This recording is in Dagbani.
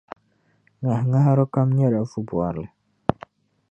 Ŋahiŋahara kam nyɛla vubɔrili.